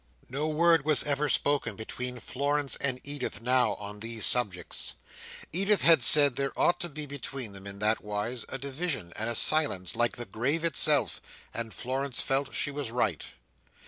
No word was ever spoken between Florence and Edith now, on these subjects. Edith had said there ought to be between them, in that wise, a division and a silence like the grave itself: and Florence felt she was right.